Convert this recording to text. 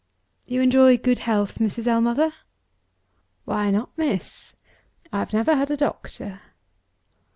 "You enjoy good health, Mrs. Ellmother?" "Why not, miss? I have never had a doctor."